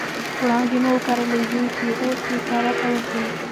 وړانګې مو وکرلې ځي چې اوس یې کرته ورځو